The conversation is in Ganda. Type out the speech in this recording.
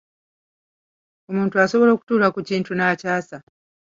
Omuntu asobola okutuula ku kintu n'akyasa.